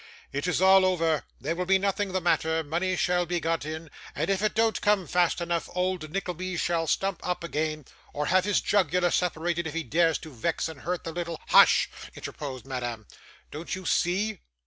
'It is all over; there will be nothing the matter; money shall be got in; and if it don't come in fast enough, old Nickleby shall stump up again, or have his jugular separated if he dares to vex and hurt the little ' 'Hush!' interposed Madame. 'Don't you see?